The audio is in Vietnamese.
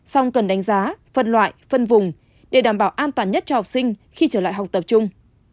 song cần đánh giá phân loại phân vùng để đảm bảo an toàn nhất cho học sinh khi trở lại học tập trung